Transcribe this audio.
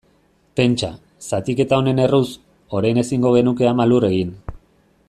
Pentsa, zatiketa honen erruz, orain ezingo genuke Ama Lur egin.